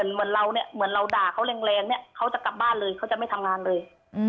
เหมือนเราด่าเขาแรงเขาจะกลับบ้านเลยเขาจะไม่ทำงานเลย